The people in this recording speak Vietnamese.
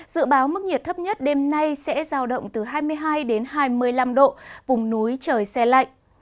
dự báo mức nhiệt thấp nhất đêm nay sẽ giao động từ hai mươi hai đến hai mươi năm độ vùng núi trời xe lạnh